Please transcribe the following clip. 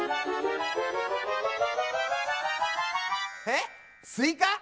えっスイカ？